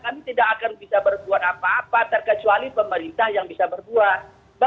kami tidak akan bisa berbuat apa apa terkecuali pemerintah yang bisa berbuat